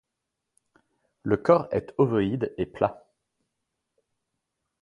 Le corps est ovoïde et plat.